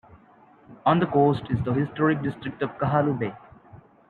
On the coast is the historic district of Kahaluu Bay.